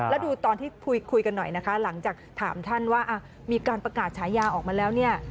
แล้วดูตอนที่คุยกันหน่อยนะคะหลังจากถามท่านว่ามีการประกาศฉายาออกมาแล้วเนี่ย